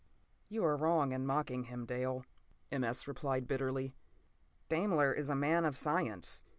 p> "You are wrong in mocking him, Dale," M. S. replied bitterly. "Daimler is a man of science.